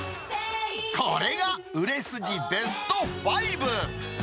これが売れ筋ベスト５。